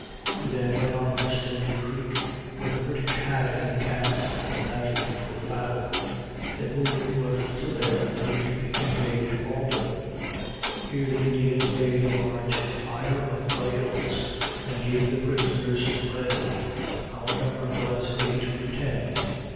We then went on to Stony creek, where the British had encamped the night before the battle. Their wounded were still there, waiting to be conveyed to Malden. Here the Indians made a large fire of rails, and gave the prisoners some bread. Our number was eight or ten.